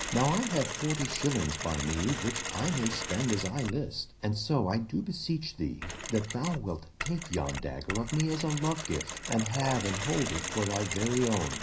Now I have forty shillings by me which I may spend as I list, and so I do beseech thee that thou wilt take yon dagger of me as a love gift, and have and hold it for thy very own."